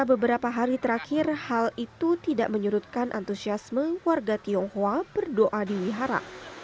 beberapa hari terakhir hal itu tidak menyurutkan antusiasme warga tionghoa berdoa di wihara